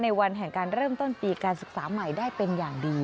วันแห่งการเริ่มต้นปีการศึกษาใหม่ได้เป็นอย่างดี